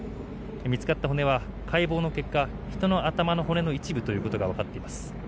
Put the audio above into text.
見つかった骨は解剖の結果人の頭の骨の一部ということがわかっています。